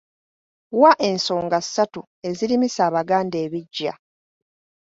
Wa ensonga ssatu ezirimisa Abaganda ebiggya.